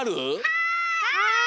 はい！